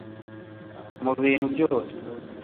Mu bintu byose